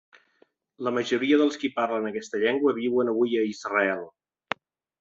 La majoria dels qui parlen aquesta llengua viuen avui a Israel.